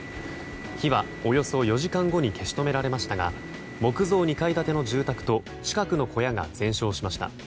火は、およそ４時間後に消し止められましたが木造２階建ての住宅と近くの小屋が全焼しました。